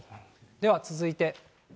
では続いて。